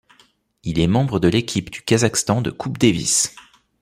Il est membre de l'équipe du Kazakhstan de Coupe Davis.